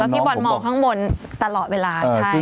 พี่บอลมองข้างบนตลอดเวลาใช่